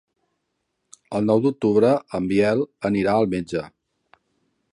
El nou d'octubre en Biel anirà al metge.